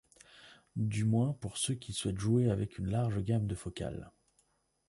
Du moins pour ceux qui souhaitent jouer avec une large gamme de focales.